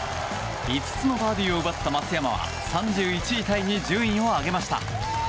５つのバーディーを奪った松山は３１位タイに順位を上げました。